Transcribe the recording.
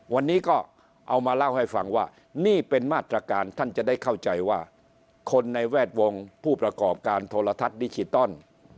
วันนี้ก็เอามาเล่าให้ฟังว่านี่เป็นมาตรการท่านจะได้เข้าใจว่าคนในแวดวงผู้ประกอบการโทรทัศน์ดิจิตอล